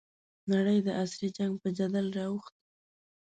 نړۍ د عصري جنګ په جدل رااوښتې.